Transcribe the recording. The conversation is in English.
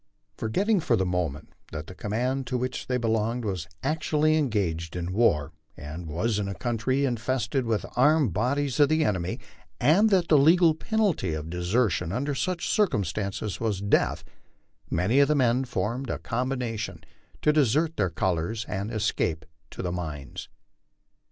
Forgetting for the moment that the command to which they belonged was actually engaged in war, and was in a country in fested with armed bodies of the enemy, and that the legal penalty of desertion under such circumstances was death, many of the men formed a combination to desert their colors and escape to the mines.